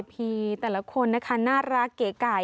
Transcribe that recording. วินเทพีแต่ละคนน่ารักเก๋